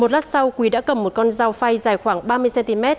một lát sau quý đã cầm một con dao phay dài khoảng ba mươi cm